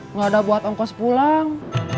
nggak ada buat ongkos pulang